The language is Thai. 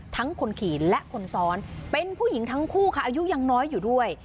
คนขี่และคนซ้อนเป็นผู้หญิงทั้งคู่ค่ะอายุยังน้อยอยู่ด้วย